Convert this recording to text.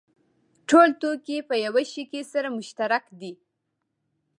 ټول توکي په یوه شي کې سره مشترک دي